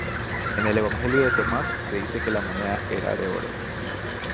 En el evangelio de Tomás se dice que la moneda era de oro.